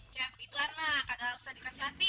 cepituan lah kadang tak dikasih hati